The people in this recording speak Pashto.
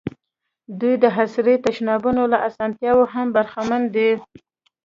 دوی د عصري تشنابونو له اسانتیاوو هم برخمن دي.